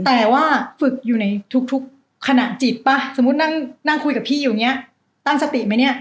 แต่ว่าฝึกอยู่ในทุกขณะจิตป่ะสมมุตินั่งคุยกับพี่อยู่อย่างนี้ตั้งสติไหมเนี่ย